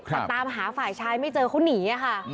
แต่ตามหาฝ่ายชายไม่เจอเขาหนีค่ะ